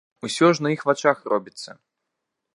Усё ж на іх вачах робіцца.